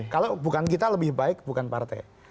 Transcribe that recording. kalau bukan kita lebih baik bukan partai